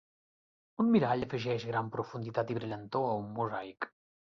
Un mirall afegeix gran profunditat i brillantor a un mosaic.